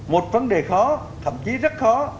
một vấn đề khó thậm chí rất khó